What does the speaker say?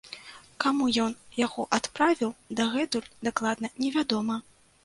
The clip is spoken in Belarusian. Каму ён яго адправіў, дагэтуль дакладна невядома.